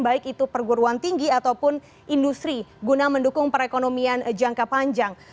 baik itu perguruan tinggi ataupun industri guna mendukung perekonomian jangka panjang